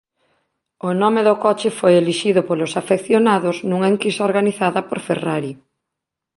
O nome do coche foi elixido polos afeccionados nunha enquisa organizada por Ferrari.